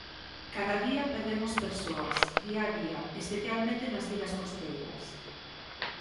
Cada día perdemos persoas, día a día, especialmente nas vilas costeiras.